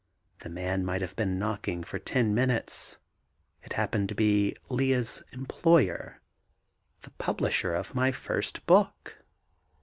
The man might have been knocking for ten minutes. It happened to be Lea's employer, the publisher of my first book.